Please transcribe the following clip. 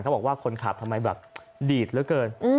บอกว่าคนขับทำไมแบบดีดเหลือเกิน